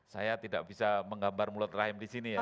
saya tidak bisa menggambar mulut rahim di sini ya